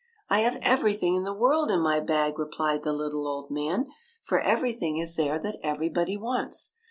" I have everything in the world in my bag," replied the little old man, "for everything is there that everybody wants.